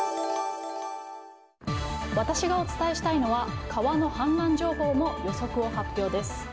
私がお伝えしたいのは川の氾濫情報も予測を発表です。